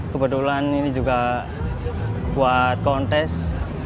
kebetulan ini juga buat kontes